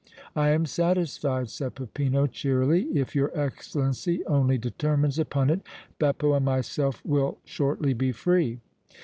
"I am satisfied," said Peppino, cheerily. "If your Excellency only determines upon it, Beppo and myself will shortly be free!"